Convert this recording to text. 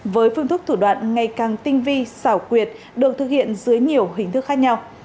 với phương thức thủ đoạn ngày càng tinh vi xảo quyệt được thực hiện dưới nhiều hình thức khác nhau